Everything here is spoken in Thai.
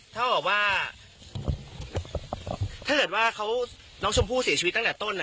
ถ้าแบบว่าน้องชมภูตร์ที่ตั้งแต่ต้น